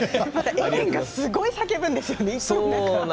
エレンがすごく叫ぶんですよね。